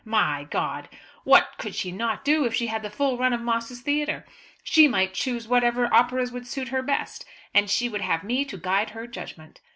My G ! what could she not do if she had the full run of Moss's Theatre! She might choose whatever operas would suit her best; and she would have me to guide her judgment!